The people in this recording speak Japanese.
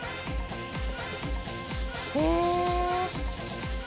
へえ。